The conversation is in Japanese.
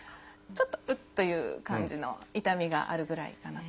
ちょっと「うっ」という感じの痛みがあるぐらいかなと。